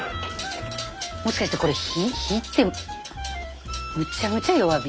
もしかしてこれ火火ってむちゃむちゃ弱火？